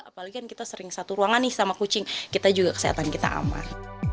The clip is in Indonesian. apalagi kan kita sering satu ruangan nih sama kucing kita juga kesehatan kita aman